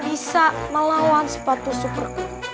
bisa melawan sepatu super